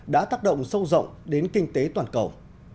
đã tác động sâu rộng đến kinh tế toàn cầu